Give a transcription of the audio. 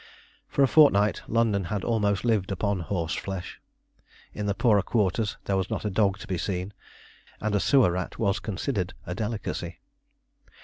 For a fortnight London had almost lived upon horse flesh. In the poorer quarters there was not a dog to be seen, and a sewer rat was considered a delicacy.